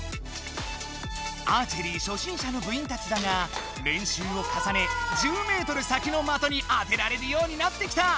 アーチェリー初心者の部員たちだがれんしゅうをかさね１０メートル先の的に当てられるようになってきた！